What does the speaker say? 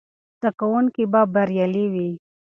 زده کوونکي به بریالي وي.